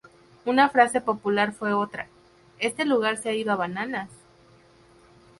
Una frase popular fue otra "este lugar se ha ido bananas!